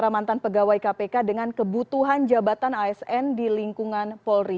mantan pegawai kpk dengan kebutuhan jabatan asn di lingkungan polri